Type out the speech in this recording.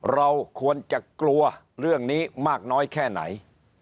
เราควรจะกลัวเรื่องนี้มากน้อยแค่ไหน